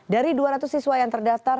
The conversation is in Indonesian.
dari dua ratus siswa yang terdaftar